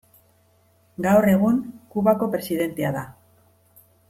Gaur egun Kubako presidentea da.